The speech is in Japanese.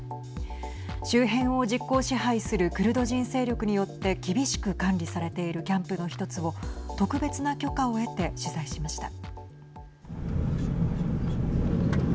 周辺を実効支配するクルド人勢力によって厳しく管理されているキャンプの１つを特別な許可を得て取材しました。